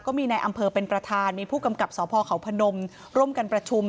ในอำเภอเป็นประธานมีผู้กำกับสพเขาพนมร่วมกันประชุม